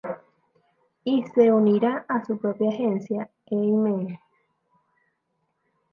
Y se unirá a su propia agencia "A-man".